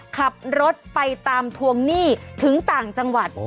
ขับรถไปตามทวงหนี้ถึงต่างจังหวัด